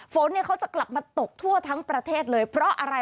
ฝนเนี่ยเขาจะกลับมาตกทั่วทั้งประเทศเลยเพราะอะไร